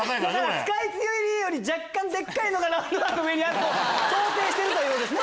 スカイツリーよりでかいのがラウンドワンの上にあると想定してるということですね？